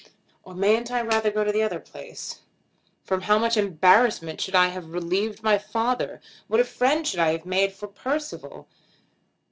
"Or mayn't I rather go to the other place? From how much embarrassment should I have relieved my father! What a friend I should have made for Percival!